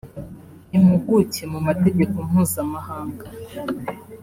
impuguke mu mategeko mpuzamahanga